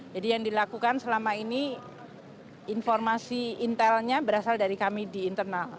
jadi yang dilakukan selama ini informasi intelnya berasal dari kami di internal